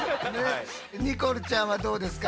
ニコルちゃんはどうですか？